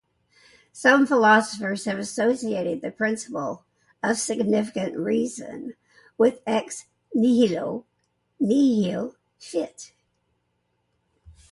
Some philosophers have associated the principle of sufficient reason with "ex nihilo nihil fit".